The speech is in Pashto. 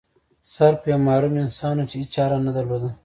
سرف یو محروم انسان و چې هیڅ چاره نه درلوده.